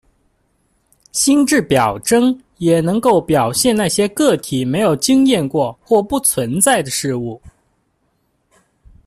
心智表征也能够表现那些个体没有经验过或不存在的事物。